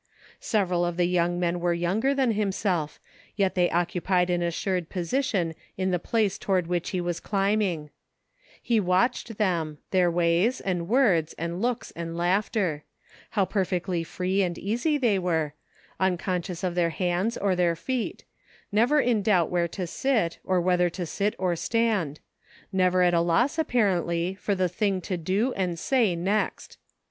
Several of the young men were younger than himself, yet they occupied an assured position in the place toward which he was climbing ; he watched them, their ways, and words, and looks and laughter ; how perfectly free and 212 SEEKING STEPPING STONES. easy they were ; unconscious of their hands or their feet ; never in doubt where to sit, or whether to sit or stand ; never at a loss, apparently, for the thing to do and say next.